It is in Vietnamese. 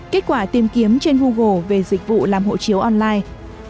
kết quả tìm kiếm trên google về dịch vụ làm hộ chiếu online